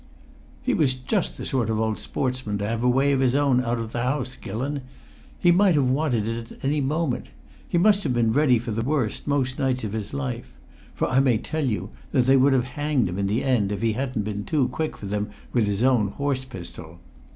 "He was just the sort of old sportsman to have a way of his own out of the house, Gillon! He might have wanted it at any moment; he must have been ready for the worst most nights of his life; for I may tell you they would have hanged him in the end if he hadn't been too quick for them with his own horse pistol.